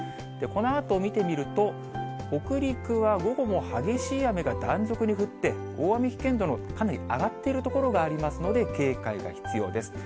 このあと見てみると、北陸は午後も激しい雨が断続に降って、大雨危険度のかなり上がっている所がありますので、警戒が必要です。